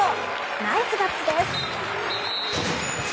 ナイスガッツです。